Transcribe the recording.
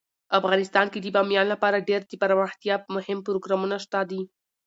افغانستان کې د بامیان لپاره ډیر دپرمختیا مهم پروګرامونه شته دي.